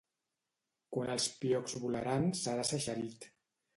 Quan els piocs volaran seràs eixerit.